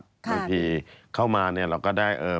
บางทีเข้ามาเราก็ได้